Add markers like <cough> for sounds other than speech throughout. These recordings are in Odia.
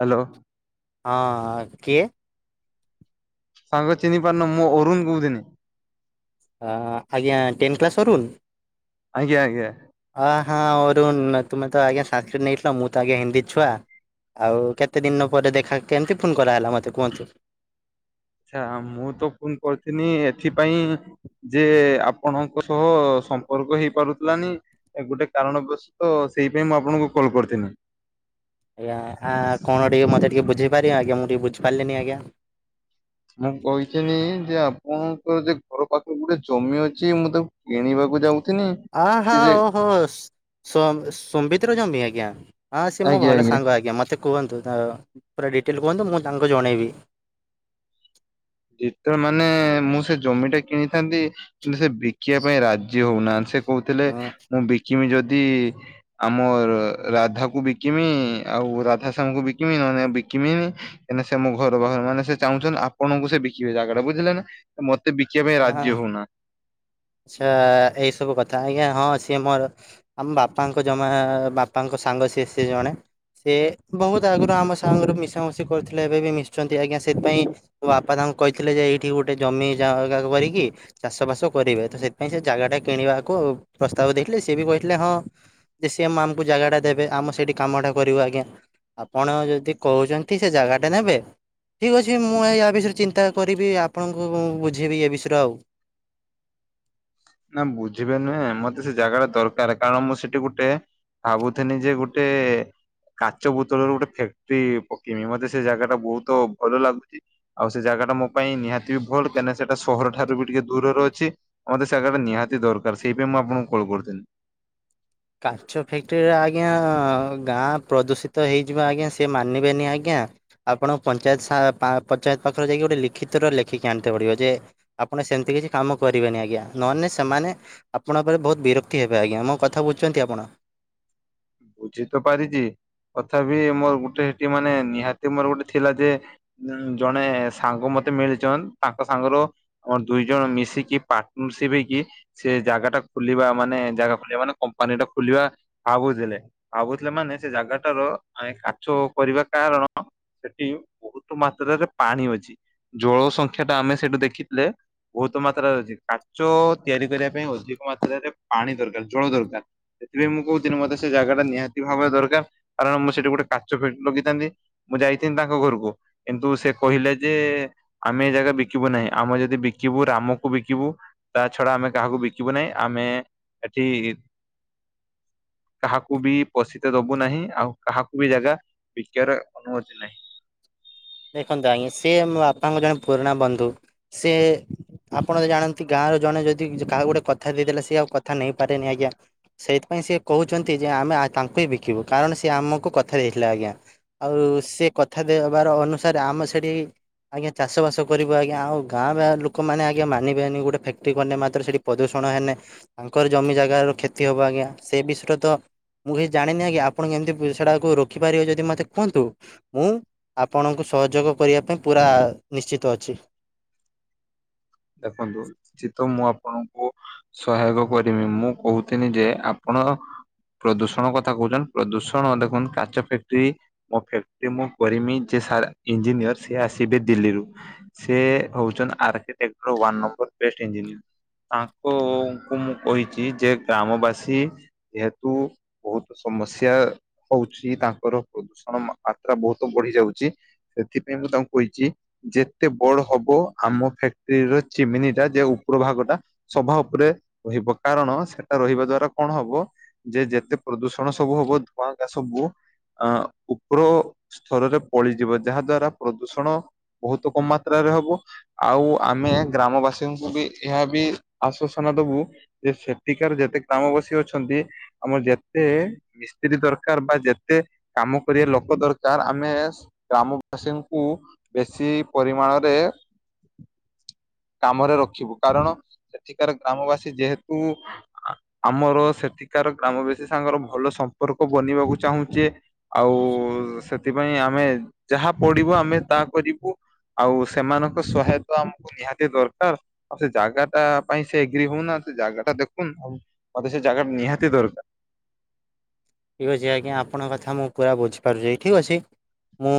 ହ୍ୟାଲୋ। ହଁ କିଏ। ସାଙ୍ଗ ଚିହ୍ନି ପାରୁନ ମୁଁ ଅରୁନ କହୁଥିନି। ହ ଆଜ୍ଞା ଟେନ୍ କ୍ଲାସ୍ ଅରୁନ୍? ଆଜ୍ଞା ଆଜ୍ଞା। ହଁ ହଁ ଅରୁଣ ତୁମେ ତ ଆଜ୍ଞା ସାଂସ୍କ୍ରିତ ନେଇଥିଲ ମୁଁ ତ ଆଜ୍ଞା ହିନ୍ଦୀ ଛୁଆ। ଆଉ କେତେ ଦିନ ପରେ ଦେଖା କେମିତି ଫୋନ୍ କରାହେଲା ମୋତେ କୁହନ୍ତୁ? ଆଛା ମୁଁ ତ ଫୁନ୍ କରିଥିଲି ଏଥିପାଇଁ ଯେ ଆପଣଙ୍କ ସହ ସମ୍ପର୍କ ହେଇପାରୁଥିଲାନି। ଏ ଗୋଟେ କାରଣବଶ ତ ସେଇ ପାଇଁ ମୁଁ ଆପଣଙ୍କୁ କଲ୍ କରିଥିଲି। ଆ କଣ ଟିକେ ମତେ ବୁଝେଇ ପାରିବେ ମୁଁ ଟିକେ ବୁଝି ପାରିଲିନି ଆଜ୍ଞା। ମୁଁ କହିଥିନି ଯେ ଆପଣଙ୍କର ଯେ ଘର ପାଖ ଗୋଟେ ଜମି ଅଛି ମୁଁ ତାକୁ କିଣିବାକୁ ଯାଉ ଆହା ଓହୋ ସ ସମ୍ବିତର ଜମି ଆଜ୍ଞା। ହଁ ସେ ମୋ ଭଲ ସାଙ୍ଗ ଆଜ୍ଞା ମୋତେ ତା କୁହନ୍ତୁ ପୁରା ଡିଟେଲ କୁହନ୍ତୁ ମୁଁ ତାଙ୍କୁ ଜଣେଇବି। ଜିଟେ ମାନେ ମୁଁ ସେ ଜମିଟା କିଣିଥାନ୍ତି। କିନ୍ତୁ ସେ ବିକିବା ପାଇଁ ରାଜି ହଉନାହାନ୍ତି ସେ କହୁଥିଲେ ହଁ ମୁଁ ବିକିମି ଯଦି ଆ ମୁଁ ରାଧାକୁ ବିକିମି ଆଉ ରାଧା ସାଙ୍ଗକୁ ବିକିମି ନହେଲେ ଵିକିମିନି। ଏଇନେ ସେ ମୋ ଘରୁ ବାହାରୁ ମାନେ ସେ ଚାହୁଁଛନ୍ତି ଆପଣଙ୍କୁ ସେ ବିକିବେ ଜାଗାଟା ବୁଝିଲେ ନା ମତେ ବିକିବା ପାଇଁ ରାଜି ହଉନା ଆଛା ଏଇ ସବୁ କଥା ଆଜ୍ଞା ହଁ ସିଏ ମୋର ଆମ ବାପାଙ୍କ ଜମା ବାପାଙ୍କ ସାଙ୍ଗ ସିଏ ସିଏ ଜଣେ। ସେ ବହୁତ ଆଗରୁ ଆମ ସାଙ୍ଗରେ ମିଶାମିଶି କରିଥିଲେ ଏବେ ବି ମିଶୁଛନ୍ତି ଆଜ୍ଞା ସେଥିପାଇଁ ମୋ ବାପା ତାଙ୍କୁ କହିଥିଲେ ଯେ ଏଇଠି ଗୋଟେ ଜମି ଜା କରିକି ଚାଷ ବାସ କରିବେ ତ ସେଥିପାଇଁ ସେ ଜାଗାଟା କିଣିବାକୁ ପ୍ରସ୍ତାବ ଦେଇଥିଲେ ସିଏ ବି କହିଥିଲେ ହଁ ଯେ ସିଏ ମାମକୁ ଜାଗାଟା ଦେବେ ଆମ ସେଇଠି କାମଟା କରିବୁ ଆଜ୍ଞା। ଆପଣ ଯଦି କହୁଛନ୍ତି ସେ ଜାଗାଟା ନେବେ। ଠିକ୍ ଅଛି ମୁଁ ୟା ବିଷୟରେ ଚିନ୍ତା କରିବି ଆପଣଙ୍କୁ ମୁଁ ବୁଝେଇବି ଏ ବିଷୟରେ ଆଉ। ନା ବୁଝିବେ ନୁହେଁ ମତେ ସେ ଜାଗାଟା ଦରକାର କାରଣ ମୁଁ ସେଠି ଗୁଟେ ଭାବୁଥିଲି ଯେ ଗୁଟେ କାଚ ବୁତଳର ଗୁଟେ ଫ୍ୟାକ୍ଟ୍ରି ପକେଇମି ମତେ ସେ ଜାଗା ଟା ବହୁତ ଭଲ ଲାଗୁଛି। ଆଉ ସେ ଜାଗା ଟା ମୋ ପାଇଁ ନିହାତି ବି ଭଲ୍ କାହିଁକି ସେଟା ସହର ଠାରୁ ବି ଟିକେ ଦୂରର ଅଛି। ମତେ ସେ ଜାଗାଟା ନିହାତି ଦରକାର ସେଇଥିପାଇଁ ମୁଁ ଆପଣଙ୍କୁ କଲ୍ କରୁଥିଲି। କାଚ ଫ୍ୟାକ୍ଟ୍ରିରେ ଆଜ୍ଞା ଗାଁ ପ୍ରଦୂଷିତ ହେଇଯିବ ଆଜ୍ଞା ସେ ମାନିବେନି ଆଜ୍ଞା। ଆପଣଙ୍କ ପଞ୍ଚାୟତ ସା ପା ପଞ୍ଚାୟତ ପାଖରେ ଯାଇକି ଗୋଟେ ଲିଖିତର ଲେଖିକି ଆଣିିଥବେ ଟିକିଏ ଯେ ଆପଣ ସେମିତି କିଛି କାମ କରିବେନି ଆଜ୍ଞା ନହେନେ ସେମାନେ ଆପଣଙ୍କ ଉପରେ ବହୁତ ବିରକ୍ତି ହେବେ ଆଜ୍ଞା ମୋ କଥା ବୁଝୁଛନ୍ତି ଆପଣ? ବୁଝିତ ପାରିଛି ତଥାପି ମୋର ଗୁଟେ ସେଠି ମାନେ ନିହାତି ମୋର ଗୋଟେ ଥିଲା ଯେ ଉ ଜଣେ ସାଙ୍ଗ ମତେ ମିଳିଛନ୍ ତାଙ୍କ ସାଙ୍ଗରୁ ଅର ଦୁଇ ଜଣ ମିଶିକି ପାର୍ଟନର ସିପ ହେଇକି ସେ ଜାଗା ଟା ଖୋଲିବା ମାନେ ଜାଗା ଖୋଲିବା ମାନେ କମ୍ପାନୀ ଟା ଖୋଲିବା ଭାବୁଥିଲେ ଭାବୁଥିଲେ ମାନେ ସେ ଜାଗାଟାର କାଛ କରିବା କାରଣ ସେଠି ବହୁତ ମାତ୍ରାରେ ପାଣି ଅଛି ଜଳ ସଂଖ୍ୟା ଟା ଆମେ ସେଠୁ ଦେଖିଥିଲେ ବହୁତ ମାତ୍ରାରେ ଅଛି କାଚ ତିଆରି କରିବା ପାଇଁ ଅଧିକ ମାତ୍ରାରେ ପାଣି ଦରକାର ଜଳ ଦରକାର। ସେଥିପାଇଁ ମୁଁ କହୁଥିଲି ମତେ ସେ ଜାଗା ଟା ନିହାତି ଭାବରେ ଦରକାର କାରଣ ମୁଁ ସେଠି ଗୋଟେ କାଚ ଫାକ୍ଟ୍ରି ଲଗେଇଥାନ୍ତି। ମୁଁ ଯାଇଥିନି ତାଙ୍କ ଘରକୁ କିନ୍ତୁ ସେ କହିଲେ ଯେ ଆମେ ଏ ଜାଗା ବିକିବୁ ନାହିଁ ଆମେ ଯଦି ବିକିବୁ ରାମକୁ ବିକିବୁ ତା ଛଡା ଆମେ କାହାକୁ ବିକିବୁ ନାହିଁ ଆମେ ଏଠି କାହାକ କୁ ବି ପୋଷିତ ଦବୁ ନାହିଁ ଆଉ କାହାକୁ ବି ଜାଗା ବିକିବାର ଅନୁମତି ନାହିଁ ଦେଖନ୍ତୁ ଆଜ୍ଞା ସେ ମୋ ବାପାଙ୍କ ଜଣେ ପୁରୁଣା ବନ୍ଧୁ ସେ ଆପଣ ତ ଜାଣନ୍ତି ଗାଁ ର ଜଣେ ଯଦି କାହାକୁ ଗୋଟେ କଥା ଦେଇଦେଲା ସେ ଆଉ କଥା ନେଇପାରେନି ଆଜ୍ଞା ସେଇଥିପାଇଁ ସେଇ କହୁଛନ୍ତି ଯେ ଆମେ ଆ ତାଙ୍କୁ ହିଁ ବିକିବୁ କାରଣ ସେ ଆମକୁ କଥା ଦେଇଥିଲା ଆଜ୍ଞା ଆଉ ସେ କଥା ଦେବାର ଅନୁସାରେ ଆମ ସେଠି ଆଜ୍ଞା ଚାଷ ବାସ କରିବ ଆଜ୍ଞା ଆଉ ଗାଁ ବ ଲୋକମାନେ ଆଜ୍ଞା ମାନିବେନି ଗୋଟେ ଫାକ୍ଟ୍ରି କେ ମାତ୍ର ସେଠି ପ୍ରଦୂଷଣ ହେଲେ ତାଙ୍କର ଜମି ଜାଗାର କ୍ଷତି ହବ ଆଜ୍ଞା ସେ ବିଷୟରେ ତ ମୁଁ କିହି ଜାଣିନି ଆଜ୍ଞା ଆପଣ କେମତି ସେଟାକୁ ରଖିପାରିବେ ଯଦି ମୋତେ କୁହନ୍ତୁ। <inaudible> ମୁଁ ଆପଣଙ୍କୁ ସହଯୋଗ କରିବା ପାଇଁ ପୁରା ନିଶ୍ଚିତ ଅଛି। ଦେଖନ୍ତୁ ସିତ ମୁଁ ଆପଣଙ୍କୁ ସହାୟକ କରମି ମୁଁ କହୁଥିନି ଯେ ଆପଣ ପ୍ରଦୂଷଣ କଥା କହୁଛନ୍ତି ପ୍ରଦୂଷଣ ଦେଖନ୍ତୁ କାଚ ଫ୍ୟାଟ୍ରି ମୋ ଫ୍ୟାକ୍ଟ୍ରି ମୁଁ କରିମି ସେ ସାର୍ ଇଞ୍ଜିନିୟର ସେ ଆସିବେ ଦିଲ୍ଲୀରୁ ସେ ହଉଛନ୍ତି ଆର୍କଟେଟ ୱ ନମ୍ବର ବେଷ୍ଟ୍‌‌ ଇଞ୍ଜିନିୟର ତାଙ୍କୁ ମୁଁ କହିଛି ଯେ ଗ୍ରାମବାସୀ ଯେହେତୁ ବହୁତ ସମସ୍ୟ ହଉଛି ତାଙ୍କର ପ୍ରଦୂଷଣ ମାତ୍ରା ବହୁତ ବଢି ଯାଉଛି। ସେଥିପାଇଁ ମୁଁ ତାଙ୍କୁ କହିଛି ଯେତେ ବଡ ହବ ଆମ ଫକ୍ ସ୍ତ୍ରୀ ର ଚିମିନି ଟା ଯେ ଉପର ଭାଗ ଟା ସଭା ଉପରେ ରହିବ କାରଣ ସେଟା ରହିବା ଦ୍ଵାରା କଣ ହବ ଯେ ଯେତେ ପ୍ରଦୂଷଣ ସବୁ ହବ ଧୂଆଁ ଗାଁ ସବୁ ଅ ଉପର ସ୍ତରରେ ପଳିଯିବ ଯାହା ଦ୍ଵାରା ପ୍ରଦୂଷଣ ବହୁତ କମ ମାତ୍ରାରେ ହବ ଆଉ ଆମେ ଗ୍ରାମବାସୀଙ୍କୁ ବି ଏହା ବି ଆଶ୍ଵାସନା ଦବୁ ଯେ ସେଠିକାର ଯେତେ ଗ୍ରାମବାସି ଅଛନ୍ତି ଆମର ଯେତେ ମିସ୍ତ୍ରୀ ଦରକାର ବା ଯେତେ କାମ କରିବା ଲୋକ ଦରକାର ଆମେ ସ୍ ଗ୍ରାମବାସୀଙ୍କୁ ବେଶୀ ପରି ମାଣରେ କାମରେ ରଖିବୁ କାରଣ ସେଠିକାର ଗ୍ରାମବାସୀ ଯେହେତୁ ଆ ଆମର ସେଠିକାର ଗ୍ରାମବାସୀ ସାଙ୍ଗର ଭଲ ସମ୍ପର୍କ ବନିବାକୁ ଚାହୁଁଜେ? ଆଉ ସେଥିପାଇଁ ଆମେ ଯାହା ପଡିବ ଆମେ ତାହା କରିବୁ। ଆଉ ସେମାନଙ୍କ ସହାୟତା ଆମକୁ ନିହାତି ଟେ ଦରକାର ଆଉ ସେ ଜାଗା ଟା ପାଇଁ ସେ ଏଗ୍ରି ହଉନାହାନ୍ତି ସେ ଜାଗା ଟା ଦେଖୁନ ଆଉ ମତେ ସେ ଜାଗା ନିହାତି ଦରକାର। ଠିକ୍ ଅଛି ଆଜ୍ଞା ଆପଣଙ୍କ କଥା ମୁଁ ପୁରା ବୁଝିପାରୁଛି ଠିକ୍ ଅଛି। ମୁଁ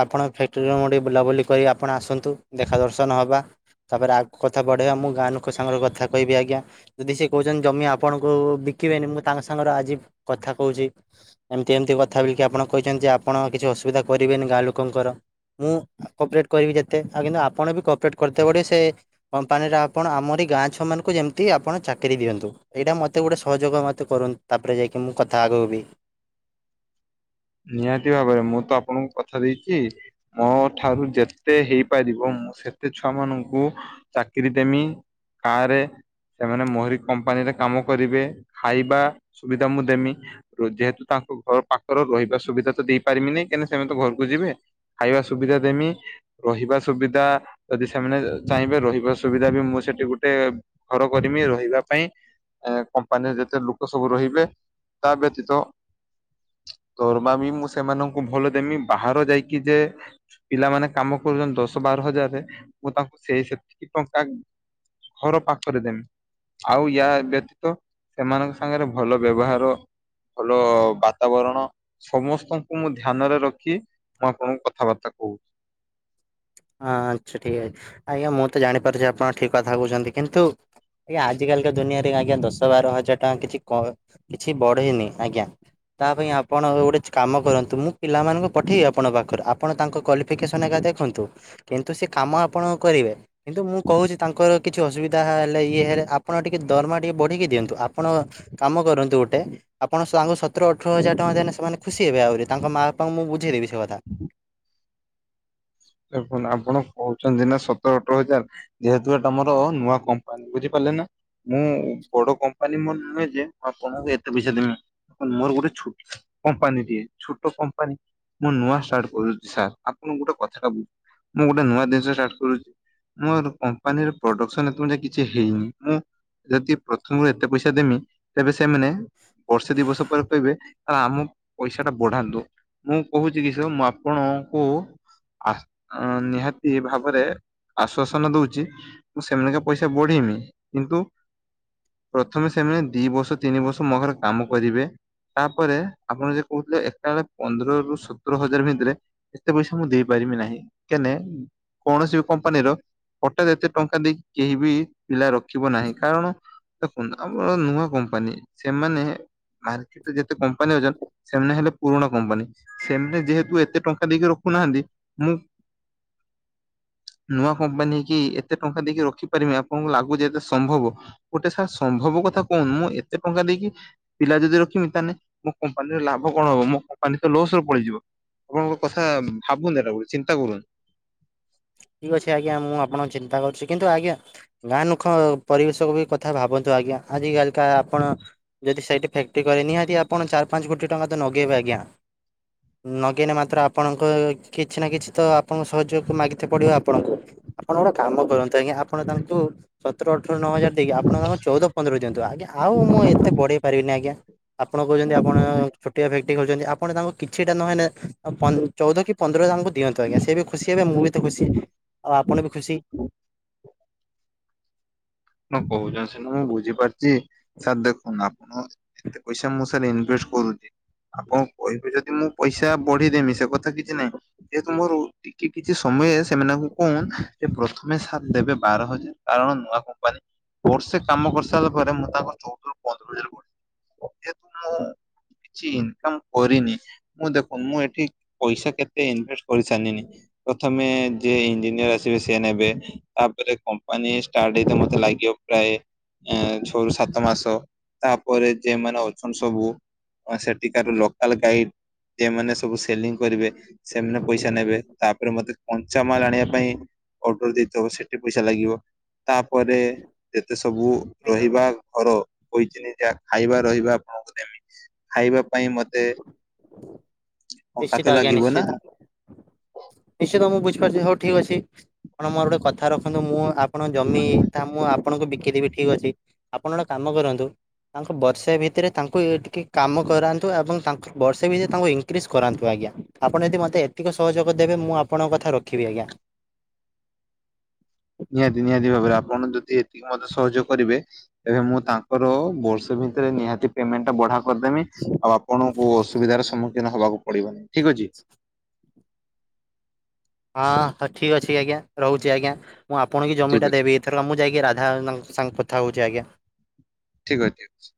ଆପଣଙ୍କ ଫ୍ୟାକ୍ଟ୍ରିରୁ ମୁ ଟିକିଏ ବୁଲାବୁଲି କରି ଆପଣ ଆସନ୍ତୁ ଦେଖା ଦର୍ଶନ ହେବା। ତା ପରେ ଆଗକୁ କଥା ବଢ଼େଇବା ମୁଁ ଗାଁ ଲୋକ ସାଙ୍ଗରେ କଥା କହିବି ଆଜ୍ଞା। ଯଦି ସେ କହୁଛନ୍ତି ଜମି ଆପଣଙ୍କୁ ବିକିବେନି ମୁଁ ତାଙ୍କ ସାଙ୍ଗରେ ଆଜି କଥା କଉଛି ଏମିତି ଏମିତି କଥା ବଲିକି ଆପଣ କହିଛନ୍ତି ଯେ ଆପଣ କିଛି ଅସୁବିଧା କରିବେନି ଗାଁ ଲୋକଙ୍କର। ମୁଁ କପରେଟ୍ କରିବି ଯେତେ ଆଉ କିନ୍ତୁ ଆପଣ ବି କପରେଟ୍ କରିତେ ବୋଟେ ସେ କମ୍ପାନୀର ଆପଣ ଆମରି ଗାଁ ଛୁଆ ମାନଙ୍କୁ ଯେମିତି ଆପଣ ଚାକିରି ଦିଅନ୍ତୁ। ଏଇଟା ମତେ ଗୋଟେ ସହଯୋଗ ମତେ କରନ୍ତୁ। ତାପରେ ଯାଇକି ମୁଁ କଥା ଆଗକୁ ବି ନିହାତି ଭାବରେ ମୁଁ ତ ଆପଣଙ୍କୁ କଥା ଦେଇଛି। ମୋ ଠାରୁ ଯେତେ ହେଇପାରିବ ମୁଁ ସେତେ ଛୁଆ ମାନଙ୍କୁ ଚାକିରି ଦେମି କାରେ ସେମାନେ ମୋହରି କମ୍ପାନୀରେ କାମ କରିବେ ଖାଇବା ସୁବିଧା ମୁଁ ଦେମି। ପ୍ରୋଜେଟ୍ ତାଙ୍କ ଘର ପାଖରେ ରହିବ। ସୁବିଧା ତ ଦେଇ ପାରିବିିନି କାଇଁକିନା ସେମାନେ ତ ଘରକୁ ଯିବେ ଖାଇବା ସୁବିଧା ଦେମି। ରହିବା ସୁବିଧା ଯଦି ସେମାନେ ଚାହିଁବେ ରହିବା ସୁବିଧା ବି ମୁଁ ସେଠି ଗୋଟେ ଘର କରିମି ରହିବା ପାଇଁ। କମ୍ପାନୀରେ ଯେତେ ଲୋକ ସବୁ ରହିବେ ତା ବ୍ୟତୀତ ଦରମା ବି ମୁଁ ସେମାନଙ୍କୁ ଭଲ ଦେମି ବାହାର ଯାଇକି ଯେ ପିଲାମାନୋନ କାମ କରୁଛନ୍ତି ଦଶ ବାର ହଜାରରେ ମୁଁ ତାଙ୍କୁ ସେଇ ସେତିକି ଟଙ୍କା ଘର ପାକ୍ କରିଦମ୍। ଆଉ ୟା ବ୍ୟତୀତ ସେମାନଙ୍କ ସାଙ୍ଗରେ ଭଲ ବ୍ୟବହାର ଭଲ ବାତାବରଣ ସମସ୍ତଙ୍କୁ ମୁଁ ଧ୍ୟାନରେ ରଖି ମୁଁ ଆପଣଙ୍କୁ କଥାବାର୍ତ୍ତା କହୁଛି। ହଁ ଆଛା ଠିକ୍ ଅଛି ଆଜ୍ଞା ମୁଁ ତ ଜାଣିପାରୁଛି ଆପଣ ଠିକ୍ କଥା କହୁଛନ୍ତି କିନ୍ତୁ ଆଜ୍ଞା ଆଜିକାଲି ଦୁନିଆରେ ଆଜ୍ଞା ଦଶ ବାର ହଜାର ଟଙ୍କା କିଛି କିଛି ବଢେଇନି ଆଜ୍ଞା। ତା ପାଇଁ ଆପଣ ଗୋଟେ କାମ କରନ୍ତୁ ମୁଁ ପିଲାମାନଙ୍କୁ ପଠେଇବି ଆପଣ ପାଖରେ ଆପଣ ତାଙ୍କ କଲି। ଏଫିକେସନ୍ ଏକା ଦେଖନ୍ତୁ କିନ୍ତୁ ସେ କାମ ଆପଣ କରିବା। କିନ୍ତୁ ମୁଁ କହୁଛି ତାଙ୍କର କିଛି ଅସୁବିଧା ହେଲେ ଇଏ ହେଲେ ଆପଣ ଟିକେ ଦରମା ଟିକେ ବଢିକି ଦିଅନ୍ତୁ ଆପଣ କାମ କରନ୍ତୁ ଗୋଟେ ଆପଣ ତାଙ୍କୁ ସତର ଅଠର ହଜାର ଟଙ୍କା ଦେଲେ ସେମାନେ ଖୁସି ହେବେ। ଆହୁରି ତାଙ୍କ ମା ବାପାଙ୍କୁଁ ବଝେଇ ଦେବି ସେ କଥା। ଦେଖନ୍ତୁ ଆପଣ କହୁଛନ୍ତି ନା ସତର ଅଠର ହଜାର ଯେହେତୁ ଏଟା ମୋର ନୂଆ କମ୍ପାନୀ ବୁଝିପାରିଲେ ନା। ମୁଁ ବଡ଼ କମ୍ପାନୀ ମୋର୍ ନୁହେଁ ଯେ ମୁଁ ଆପଣଙ୍କୁ ଏତେ ପଇସା ଦେମି। ମୋର ଗୋଟେ ଛୁଟ କମ୍ପାନୀ ଟିଏ ଛୁଟ କମ୍ପାନୀ ମୁଁ ନୂଆ ଷ୍ଟାର୍ଟ କରୁଛି ସାର୍ ଆପଣ ଗୋଟେ କଥା ଟା ବୁଝ ମୁଁ ଗୋଟେ ନୂଆ ଜିନିଷ ଷ୍ଟାର୍ଟ କରୁଛି। ମୋର କମ୍ପାନୀର ପ୍ରଡକସନ୍ ଏ ପର୍ୟ୍ଯନ୍ତ କିଛି ହେଇନି ମୁଁ। ଯଦି ପ୍ରଥମରୁ ଏତେ ପଇସା ଦେମି ତେବେ ସେମାନେ ବର୍ଷେ ଦି ବର୍ଷ ପରେ କହିବେ ତାହେଲେ ଆମ ପଇସା ଟା ବଢ଼ାନ୍ତୁ। ମୁଁ କହୁଛି କି ସ ମୁଁ ଆପଣଙ୍କୁ ଆ ନିହାତି ଭାବରେ ଆଶ୍ଵାସନା ଦଉଛି। ମୁଁ ସେମାନକା ପଇସା ବଢ଼ିମି କିନ୍ତୁ ପ୍ରଥମେ ସେମାନେ ଦି ବର୍ଷ ତିନି ବର୍ଷ ମୋ ଘରେ କାମ କରିବେ। ତାପରେ ଆପଣ ଯେ କହୁଥିଲେ ଏକା ବେଳେ ପନ୍ଦର ରୁ ସତର ହଜାର ଭିତରେ ଏତେ ପଇସା ମୁଁ ଦେଇ ପାରିବି ନାହିଁ କେନେ କୌଣସି ବି କମ୍ପାନୀର ହଠାତ୍ ଏତେ ଟଙ୍କା ଦେଇ କେହି ବି ପିଲା ରଖିବ ନାହିଁ କାରଣ ଦେଖନ୍ତୁ ଆମର ନୂଆ କମ୍ପାନୀ ସେମାନେ ମାର୍କେଟରେ ଯେତେ କମ୍ପାନୀ ଅଛନ ସେମାନେ ହେଲେ ପୁରୁଣା କମ୍ପାନୀ ସେମାନେ ଯେହେତୁ ଏତେ ଟଙ୍କା ଦେଇକି ରଖୁନାହାନ୍ତି। ମୁ ନୂଆ କମ୍ପାନୀ ହେଇକି ଏତେ ଟଙ୍କା ଦେଇକି ରଖିପାରମି ଆପଣଙ୍କୁ ଲାଗୁଛି ଯେ ଏତେ ସମ୍ଭବ? ଗୋଟେ ସାର୍ ସମ୍ଭବ କଥା କହୁନୁ ମୁଁ ଏତେ ଟଙ୍କା ଦେଇକି ପିଲା ଯଦି ରଖିମି ତାହେନେ ମୋ କମ୍ପାନୀର ଲାଭ କଣ ହବ ମୋ କମ୍ପାନୀ ତ ଲସରେ ପଳେଇଯିବ। ଆପଣଙ୍କ କଥା ଭାବୁନି ଏଟା ଗଟେ ଚିନ୍ତା କରୁନ୍। ଠିକ୍ ଅଛି ଆଜ୍ଞା ମୁଁ ଆପଣଙ୍କୁ ଚିନ୍ତା କରଛି କିନ୍ତୁ ଆଜ୍ଞା ଗାଁ ନୁଖ ପରିବେଶକ ବି କଥା ଭାବନ୍ତୁ ଆଜ୍ଞା ଆଜିିକାଲିକା ଆପଣ ଯଦି ସେଇଠି ଫ୍ୟାକ୍ଟି କରେ ନିହାତି ଆପଣ ଚାର ପାଞ୍ଚ କୋଟି ଟଙ୍କା ତ ନଗେଇବେ ଆଜ୍ଞା। ନଗେଇନେ ମାତ୍ର ଆପଣଙ୍କ କିଛି ନା କିଛି ତ ଆପଣଙ୍କ ସହଯୋଗ ମାଗି ଏତେ ପଡି଼ବ ଆପଣଙ୍କୁ ଆପଣ ଗୋଟେ କାମ କରନ୍ତୁ ଆଜ୍ଞା ଆପଣ ତାଙ୍କୁ ସତର ଅଠର ନଅ ହଜାର ଦେଇକି ଆପଣ ତାଙ୍କ ଚଉଦ ପନ୍ଦର ଦିଅନ୍ତୁ ଆଜ୍ଞା ଆଉ ମୁଁ ଏତେ ବଢ଼େଇ ପାରିବିନି ଆଜ୍ଞା। ଆପଣ କହୁଛନ୍ତି ଆପଣ ଛୋଟିଆ ଫ୍ୟାକ୍ଟି ଖୋଲିଛନ୍ତି ଆପଣ ତାଙ୍କୁ କିଛିଟା ନହେନେ ଆଉ ପନ୍ଦ ଚଉଦ କି ପନ୍ଦର <unintelligible> ଆମୁକୁ ଦିଅନ୍ତୁ ଆଜ୍ଞା ସେ ବି ଖୁସି ହେବେ ମୁଁ ବି ତ ଖୁସି ଆଉ ଆପଣ ବି ଖୁସି। ଆପଣ କହୁଛନ୍ତି ସିନା ମୁଁ ବୁଝିପାରୁଛି। ସାର୍ ଦେଖନ୍ତୁ ନା ଆପଣ ଏତେ ପଇସା ମୁଁ ସାର୍ ଇନଭେଷ୍ଟ କରୁଛି। ଆପଣ କହିବେ ଯଦି ମୁଁ ପଇସା ବଢେଇ ଦେମି ସେ କଥା କିଛି ନାହିଁ। ଯେହେତୁ ମୋର ଟିକେ କିଛି ସମୟେ ସେମାନଙ୍କୁ କୁହନ ଯେ ପ୍ରଥମେ ସାର୍ ଦେବେ ବାର ହଜାର କାରଣ ନୂଆ କମ୍ପ୍ ମ୍ପାନି ବର୍ଷେ କାମ କରିସାରିଲା ପରେ ମୁଁ ତାଙ୍କର ଚଉଦରୁ ପନ୍ଦର ହଜାର ବଢ଼େ ଯେହେତୁ ମୁଁ କିଛି ଇନକମ୍ କରିନି ମୁଁ ଦେଖ ମୁଁ ଏଠି ପଇସା କେତେ ଇନଭେଷ୍ଟ କରିସାରିନିନି। ପ୍ରଥମେ ଯିଏ ଇଞ୍ଜିନିୟର ଆସିବେ ସିଏ ନେବେ। ତା ପରେ କମ୍ପାନୀ ଷ୍ଟାର୍ଟ ହେଇ ତ ମ ତେ ଲାଗିବ ପ୍ରାୟ ଏଁ ଛଅ ରୁ ସାତ ମାସ। ତା ପରେ ଯେମାନେ ଅଛନ୍ ସବୁ ଅଁ ସେଠିକାର ଲୋକାଲ ଗାଇଡ୍ ଏମାନେ ସବୁ ସେଲିଂ କରିବେ। ସେମାନେ ପଇସା ନେବେ। ତା ପରେ ମତେ କଞ୍ଚାମାଲ ଆଣିବା ପାଇଁ ଅର୍ଡର ଦେଇଥବ ସେଠି ପଇସା ଲାଗିବ। ତା ପରେ ଯେତେ ସବୁ ଏଇଟା ରହିବା ଘର କହିଥିନି ଯାହା ଖାଇବା ରହିବା ଆପଣଙ୍କୁ ଦେମି। ଖାଇବା ପାଇଁ ମତେ ଟଙ୍କା ତ ନିଶ୍ଚିତ ଆଜ୍ଞା ଲାଗିବ ନା ନିଶ୍ଚିତ। ନିଶ୍ଚିତ ମୁଁ ବୁଝିପାରୁଛି। ହଉ ଠିକ୍ ଅଛି। ଆପଣ ମୋର ଗୋଟେ କଥା ରଖନ୍ତୁ। ମୁଁ ଆପଣଙ୍କ ଜମି ତା ମୁଁ ଆପଣଙ୍କୁ ବିକିଦେବି ଠିକ୍ ଅଛି। ଆପଣ ଗୋଟେ କାମ କରନ୍ତୁ ତାଙ୍କୁ ବର୍ଷେ ଭିତେରେ ତାଙ୍କୁ ଟିକେ କାମ କରାନ୍ତୁ ଏବଂ ତାଙ୍କ ବର୍ଷେ ଭିତରେ ତାଙ୍କୁ ଇନକ୍ରିଜ କରାନ୍ତୁ ଆଜ୍ଞା। ଆପଣ ଯଦି ମତେ ଏତିକ ସହଯୋଗ ଦେବେ ମୁଁ ଆପଣଙ୍କ କଥା ରଖିବି ଆଜ୍ଞା। ନିହାତି ନିହାତି ଭାବରେ ଆପଣ ଯଦି ଏତିକି ମତେ ସହଯୋଗ କରିବେ ଏବେ ମୁଁ ତାଙ୍କର ବର୍ଷେ ଭିତେରେ ନିହାତି ପେମେଣ୍ଟଟା ବଢା କରିଦେମି। ଆଉ ଆପଣଙ୍କୁ ଅସୁବିଧାର ସମ୍ମୁଖୀନ ହବାକୁ ପଡିବନି ଠିକ୍ ଅଛି। ହଁ ତ ଠିକ୍ ଅଛି ଆଜ୍ଞା। ରହୁଛି ଆଜ୍ଞା। ମୁଁ ଆପଣ କି ଠିକ ଜମିଟା ଅଛି ଦେବି। ଏଥରକ ମୁଁ ଯାଇକି ରାଧା <unintelligible> ସାଙ୍ଗ କଥା ହଉଛି ଆଜ୍ଞା। ଠିକ୍ ଅଛି ଠିକ୍ ଅଛି।